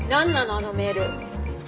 あのメール。